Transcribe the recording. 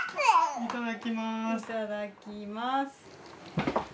いただきます。